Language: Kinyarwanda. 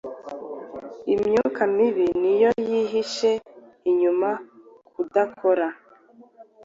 Imyuka mibi ni yo yihishe inyuma kudakora.